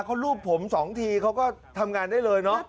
เขารูปผม๒ทีเขาก็ทำงานได้เลยเนอะ